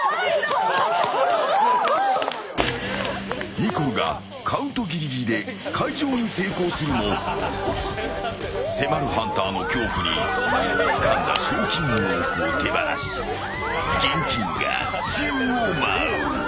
ニコルがカウントギリギリで開錠に成功するも迫るハンターの恐怖につかんだ賞金の多くを手放し現金が宙を舞う。